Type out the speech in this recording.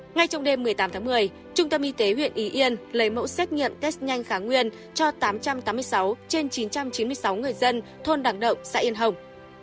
ngay trong đêm một mươi tám tháng một mươi trung tâm y tế huyện y yên lấy mẫu xét nghiệm test nhanh kháng nguyên cho tám trăm tám mươi sáu trên chín trăm chín mươi sáu người dân thôn đặng động xã yên hồng